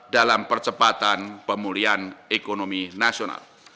dalam percepatan pemulihan ekonomi nasional